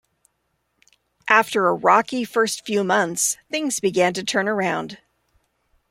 After a rocky first few months, things began to turn around.